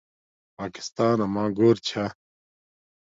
پاکستان اما گھور چھا